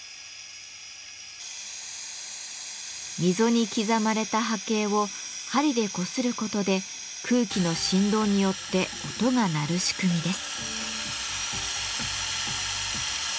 溝に刻まれた波形を針でこすることで空気の振動によって音が鳴る仕組みです。